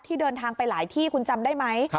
เดินทางไปหลายที่คุณจำได้ไหม